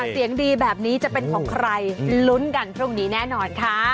เสียงดีแบบนี้จะเป็นของใครลุ้นกันพรุ่งนี้แน่นอนค่ะ